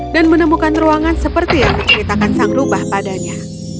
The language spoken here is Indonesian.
dan menemukan ruangan seperti yang diceritakan sang rubah padanya